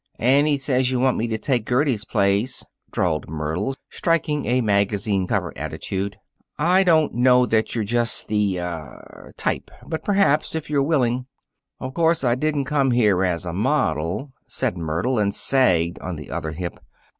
"Annie says you want me to take Gertie's place," drawled Myrtle, striking a magazine cover attitude. "I don't know that you are just the er type; but perhaps, if you're willing " "Of course I didn't come here as a model," said Myrtle, and sagged on the other hip.